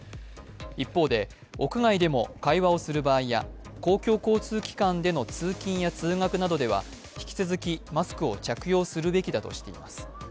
一方で、屋外でも会話をする場合や公共交通機関での通勤や通学などでは引き続きマスクを着用するべきだとしています。